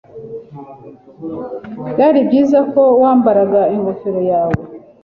Byari byiza ko wambara ingofero yawe.